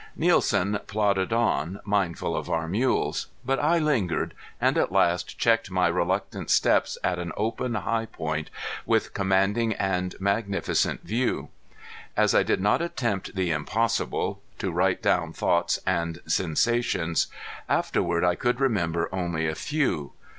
Nielsen plodded on, mindful of our mules. But I lingered, and at last checked my reluctant steps at an open high point with commanding and magnificent view. As I did not attempt the impossible to write down thoughts and sensations afterward I could remember only a few.